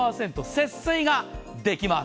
節水ができます。